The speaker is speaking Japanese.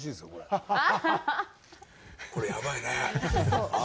これ、やばいねえ？